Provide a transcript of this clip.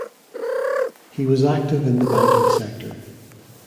He was active in the banking sector.